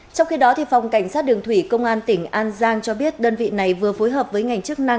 trong khi đó phòng cảnh sát đường thủy công an tỉnh an giang cho biết đơn vị này vừa phối hợp với ngành chức năng